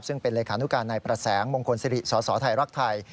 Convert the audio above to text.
ซึ่งเป็นเลขานุการนายประแสงมงคลสิริสสไทยรักไทย